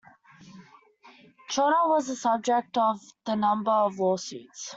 Trotter was the subject of a number of lawsuits.